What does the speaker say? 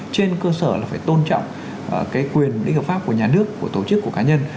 trên cơ sở là phải tôn trọng cái quyền lĩnh hợp pháp của nhà nước của tổ chức của cá nhân